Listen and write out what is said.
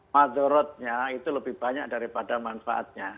motor road nya itu lebih banyak daripada manfaatnya